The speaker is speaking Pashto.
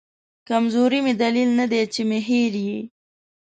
کمزوري مې دلیل ندی چې مې هېر یې